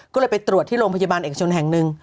ก็เลยไปตรวจที่โรงพยาบาลเอกชนแห่งหนึ่ง